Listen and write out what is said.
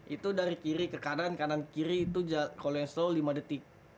itu dari kiri ke kanan kanan ke kiri itu kalau yang slow lima detik